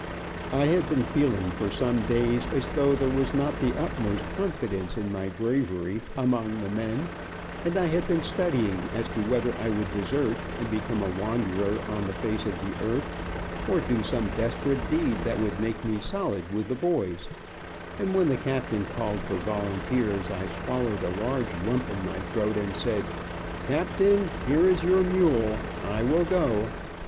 I had been feeling for some days as though there was not the utmost confidence in my bravery, among the men, and I had been studying as to whether I would desert, and become a wanderer on the face of the earth, or do some desperate deed that would make me solid with the boys, and when the captain called for volunteers, I swallowed a large lump in my throat, and said, "Captain, here is your mule. I will go!"